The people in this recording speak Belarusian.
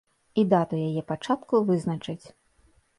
І дату яе пачатку вызначаць.